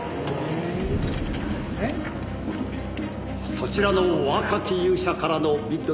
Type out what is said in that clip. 「そちらの若き勇者からのビッドです」